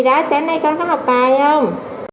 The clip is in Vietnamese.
dạ sáng nay con có học bài không